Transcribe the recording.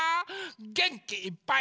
げんきいっぱい。